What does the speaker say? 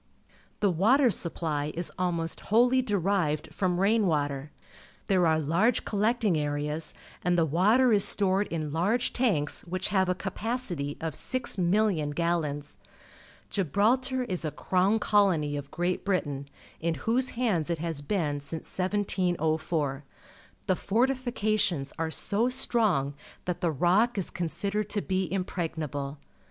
The water supply is almost whoUj^ derived from rain water. There are large collecting areas, and the water is stored in large tanks which have a capacity of 6,000,000 gallons. Gibral tar is a crown colony of Great Britain, in whose hands it has been since 1704. The fortifications are so strong that the Rock is considered to be impregnable.